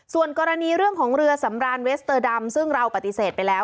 ส่วนกรณีเรื่องของเรือสำรานเวสเตอร์ดำซึ่งเราปฏิเสธไปแล้ว